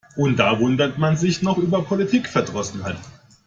Und da wundert man sich noch über Politikverdrossenheit.